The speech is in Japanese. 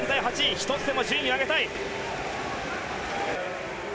１つでも順位を上げたい。